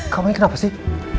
kamu ini kenapa sih